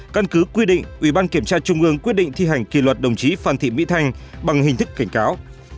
căn cứ quy định ủy ban kiểm tra trung ương quyết định thi hành kỷ luật đồng chí phan thị mỹ thanh bằng hình thức cảnh cáo